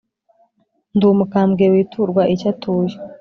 ndi umukambwe Witurwa icyo atuye!